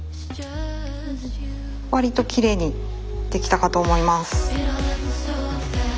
わりときれいにできたかと思います。